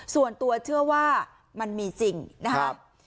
ส่วนตัวเชื่อว่ามันมีจริงนะครับ